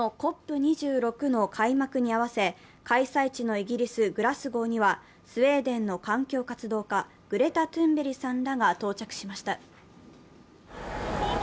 ２６の開幕に合わせて、開催地のイギリス・グラスゴーにはスウェーデンの環境活動家、グレタ・トゥンベリさんらが到着しました。